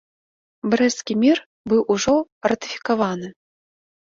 Брэсцкі мір быў ужо ратыфікаваны.